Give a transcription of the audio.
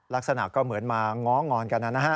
ลักษณะก็เหมือนมาง้องอนกันนะฮะ